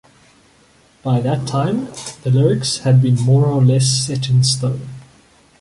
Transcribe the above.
By that time, the lyrics had been more or less set in stone.